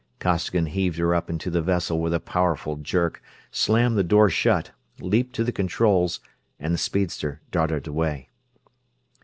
Costigan heaved her up into the vessel with a powerful jerk, slammed the door shut, leaped to the controls, and the speedster darted away.